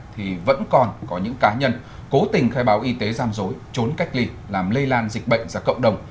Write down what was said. thì vẫn còn có những cá nhân cố tình khai báo y tế gian dối trốn cách ly làm lây lan dịch bệnh ra cộng đồng